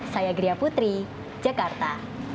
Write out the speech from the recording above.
saya gria putri jakarta